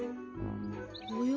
おや？